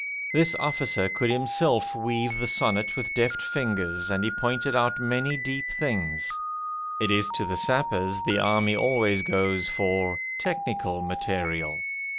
This officer could himself weave the sonnet with deft fingers, and he pointed out many deep things. It is to the sappers the army always goes for "technical material".